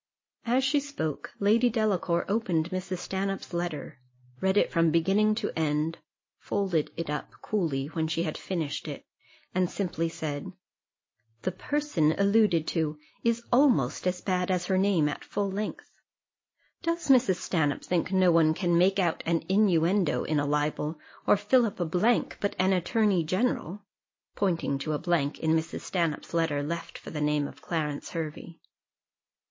As she spoke, Lady Delacour opened Mrs. Stanhope's letter, read it from beginning to end, folded it up coolly when she had finished it, and simply said, "The person alluded to is almost as bad as her name at full length: does Mrs. Stanhope think no one can make out an inuendo in a libel, or fill up a blank, but an attorney general?" pointing to a blank in Mrs. Stanhope's letter, left for the name of Clarence Hervey.